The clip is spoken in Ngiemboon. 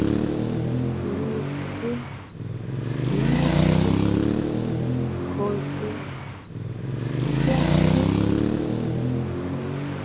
Lussé, néŋe ssé, kÿote, kyɛ́te.